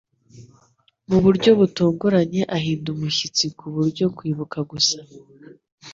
mu buryo butunguranye ahinda umushyitsi ku buryo kwibuka gusa